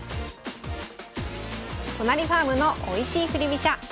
「都成ファームのおいしい振り飛車」。